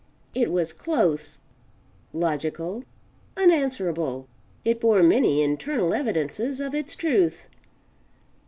It was close, logical, unanswerable; it bore many internal evidences of its truth.